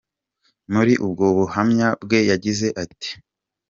Muri ubwo buhamya bwe yagize ati: .